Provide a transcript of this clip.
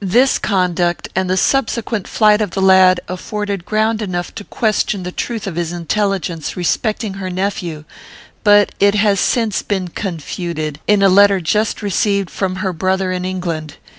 "This conduct, and the subsequent flight of the lad, afforded ground enough to question the truth of his intelligence respecting her nephew; but it has since been confuted, in a letter just received from her brother in England.